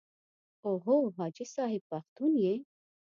او هو حاجي صاحب پښتون یې.